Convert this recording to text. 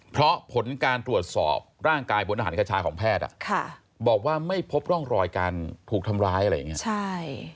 เพราะผลการตรวจสอบร่างกายบนอาหารคชาของแพทย์บอกว่าไม่พบร่องรอยการถูกทำร้ายอะไรอย่างนี้ใช่